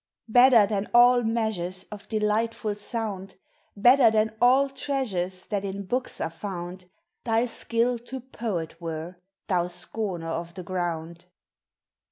Better than all measures Of delightful sound, Better than all treasures That in books are found, Thy skill to poet were, thou scorner of the ground!